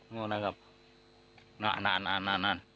นั่นนะครับนั่นเห็นหรือไม่พี่น้อง